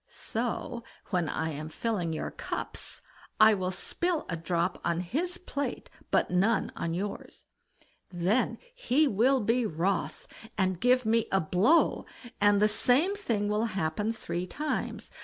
So when I am filling your cups, I will spill a drop on his plate, but none on yours; then he will be wroth, and give me a blow, and the same thing will happen three times.